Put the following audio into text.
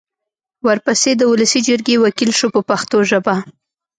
ورپسې د ولسي جرګې وکیل شو په پښتو ژبه.